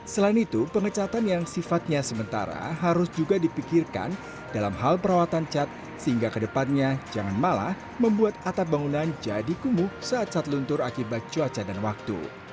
selain itu pengecatan yang sifatnya sementara harus juga dipikirkan dalam hal perawatan cat sehingga kedepannya jangan malah membuat atap bangunan jadi kumuh saat cat luntur akibat cuaca dan waktu